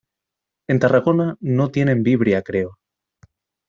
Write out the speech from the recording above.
En Tarragona no tienen Vibria, creo.